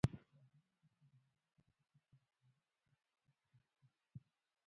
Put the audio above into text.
ازادي راډیو د بهرنۍ اړیکې په اړه د فیسبوک تبصرې راټولې کړي.